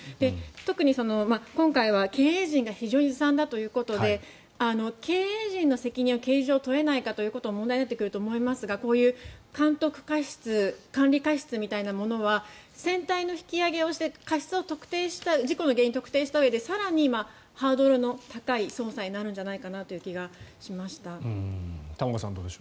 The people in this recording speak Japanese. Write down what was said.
特に今回は経営陣が非常にずさんだということで経営陣の責任を刑事上、問えないかと問題になってくると思いますが監督過失管理過失みたいなものは船体の引き揚げをして過失を特定して事故の原因を特定したうえで更にハードルの高い捜査になる気がしました。